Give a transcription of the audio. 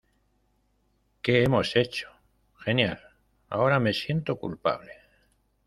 ¿ Qué hemos hecho? Genial, ahora me siento culpable.